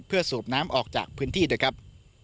เพื่อสูบน้ำออกจากพื้นที่ด้วยครับ